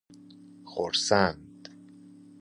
خرسند